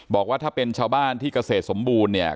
บอกว่าถ้าเป็นชาวบ้านที่เกษตรสมบูรณ์เนี่ย